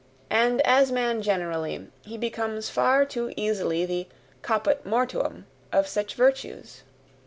and as man generally, he becomes far too easily the CAPUT MORTUUM of such virtues.